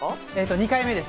２回目です。